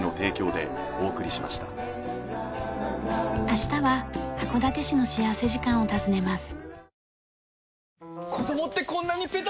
明日は函館市の幸福時間を訪ねます。